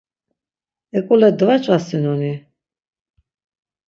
Eǩule dvaç̌vasinoni?